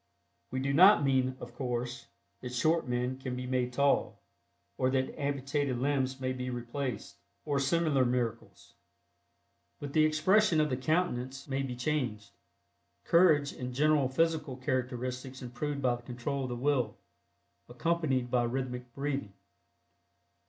We do not mean, of course, that short men can be made tall, or that amputated limbs may be replaced, or similar miracles. But the expression of the countenance may be changed; courage and general physical characteristics improved by the control of the Will, accompanied by rhythmic breathing.